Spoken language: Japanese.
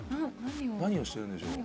何をしてるんでしょう？